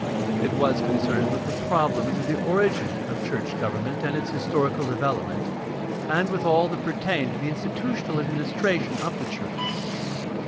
It was concerned with the problems of the origin of church government and its historical development, and with all that pertained to the institutional administration of the church.